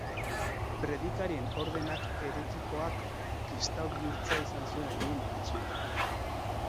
Predikarien Ordenak heretikoak kristau bihurtzea izan zuen helburu nagusia.